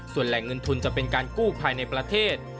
ส่วนแหล่งเงินทุนจะเป็นการกู้ภายในประเทศ